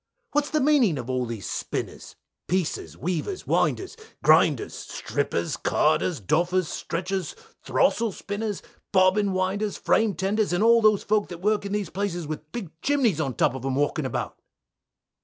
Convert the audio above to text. What's the meaning of all these Spinners, Piecers, Weavers, Winders, Grinders, Strippers, Carders, Doffers, Stretchers, Throstle Spinners, Bobbin Winders, Frame Tenders, and all those folk that work in these places with big chimneys at top of um' walking about?